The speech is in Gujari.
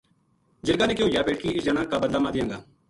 جِرگا نے کہیو یا بیٹکی اس جنا کا بدلہ ما دیاں گا